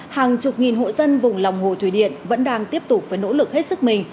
hàng chục nghìn hộ dân vùng lòng hồ thủy điện vẫn đang tiếp tục phải nỗ lực hết sức mình